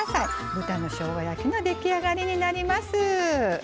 豚のしょうが焼きの出来上がりになります。